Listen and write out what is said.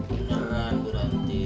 beneran bu rt